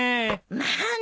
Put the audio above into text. まあね。